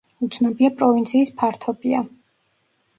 უცნობია პროვინციის ფართობია.